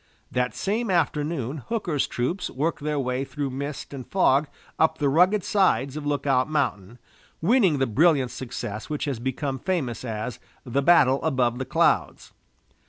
That same afternoon Hooker's troops worked their way through mist and fog up the rugged sides of Lookout Mountain, winning the brilliant success which has become famous as the "battle above the clouds."